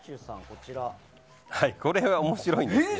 これは面白いですけど。